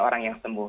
orang yang sembuh